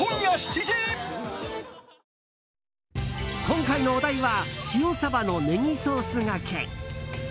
今回のお題は塩サバのネギソースがけ。